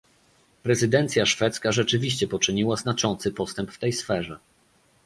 Prezydencja szwedzka rzeczywiście poczyniła znaczący postęp w tej sferze